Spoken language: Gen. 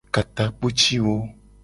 Ka takpo ci wo.